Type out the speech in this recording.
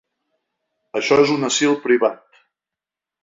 Això és un asil privat!